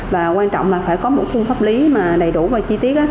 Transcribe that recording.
và quan trọng là phải có một khung pháp lý mà đầy đủ và chi tiết